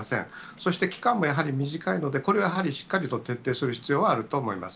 そして、期間もやはり短いので、これはやはり、しっかりと徹底する必要はあると思います。